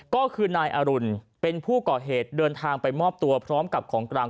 ก็คือนายอรุณเป็นผู้ก่อเหตุเดินทางไปมอบตัวพร้อมกับของกลาง